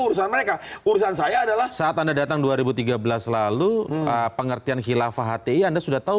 urusan mereka urusan saya adalah saat anda datang dua ribu tiga belas lalu pengertian khilafah hti anda sudah tahu